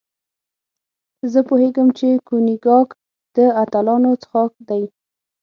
زه پوهېږم چې کونیګاک د اتلانو څښاک دی.